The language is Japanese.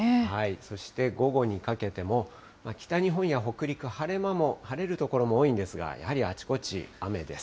そして午後にかけても、北日本や北陸、晴れ間も、晴れる所も多いんですが、やはりあちこち、雨です。